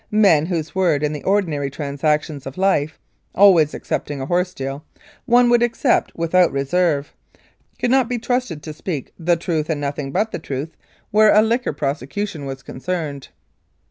Men, whose word in the ordinary transactions of life (always excepting a horse deal) one would accept without reserve, could not be trusted to speak "the truth and nothing but the truth" where a liquor prosecution was concerned.